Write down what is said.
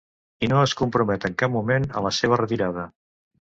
I no es compromet en cap moment a la seva retirada.